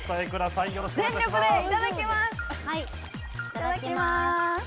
いただきます。